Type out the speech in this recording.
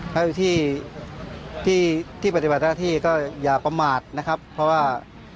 ในปฏิบัติภัตราธิก็อย่าประมาทนะครับเพราะว่า